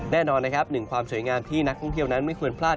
แน่นอนนะครับหนึ่งความสวยงามที่นักท่องเที่ยวนั้นไม่ควรพลาด